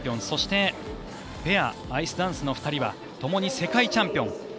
そしてペアアイスダンスの２人はともに世界チャンピオン。